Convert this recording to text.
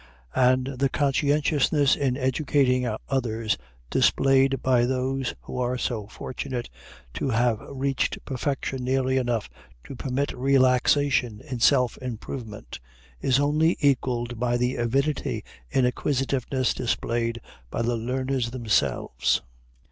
And the conscientiousness in educating others displayed by those who are so fortunate as to have reached perfection nearly enough to permit relaxation in self improvement, is only equaled by the avidity in acquisitiveness displayed by the learners themselves.